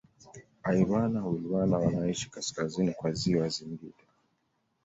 Airwana Wilwana wanaishi kaskazini kwa ziwa Singida